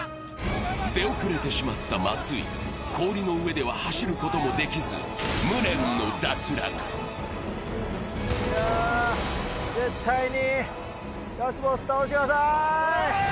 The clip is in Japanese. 出遅れてしまった松井氷の上では走ることもできず無念の脱落いや絶対にラスボス倒してください